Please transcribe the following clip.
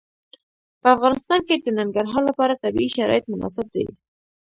په افغانستان کې د ننګرهار لپاره طبیعي شرایط مناسب دي.